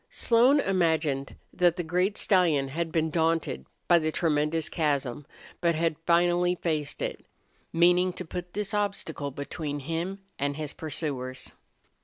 Slone imagined that the great stallion had been daunted by the tremendous chasm, but had finally faced it, meaning to put this obstacle between him and his pursuers.